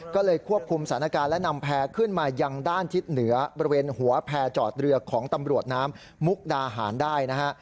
ก็เลยควบคุมสถานการณ์และนำแพร่ขึ้นมายังด้านทิศเหนือบริเวณหัวแพร่จอดเรือของตำรวจน้ำมุกดาหารได้นะฮะ